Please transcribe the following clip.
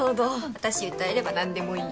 私歌えればなんでもいい。